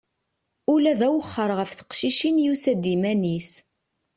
Ula d awexxer ɣef teqcicin yusa-d iman-is.